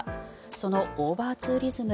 そのオーバーツーリズム